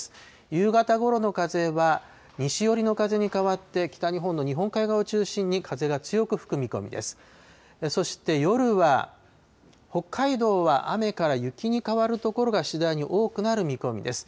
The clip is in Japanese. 夕方ごろの風は、西寄りの風に変わって、北日本の日本海側を中心に風が強く吹く見込みです。